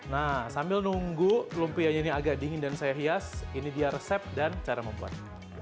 nah sambil nunggu lumpianya ini agak dingin dan saya hias ini dia resep dan cara membuat